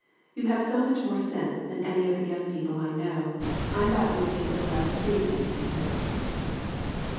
You have so much more sense than any of the young people I know, I thought you would be a little less freezing to him."